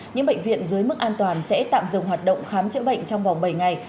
những bệnh viện dưới mức an toàn sẽ tạm dừng hoạt động khám chữa bệnh trong vòng bảy ngày